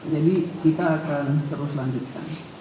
jadi kita akan terus lanjutkan